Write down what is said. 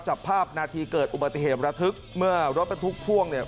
จับภาพนาทีเกิดอุบัติเหตุระทึกเมื่อรถบรรทุกพ่วงเนี่ย